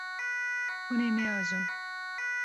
Hûn ê neajon.